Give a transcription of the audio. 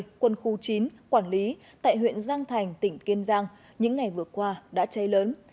đoàn ba trăm ba mươi quân khu chín quản lý tại huyện giang thành tỉnh kiên giang những ngày vừa qua đã cháy lớn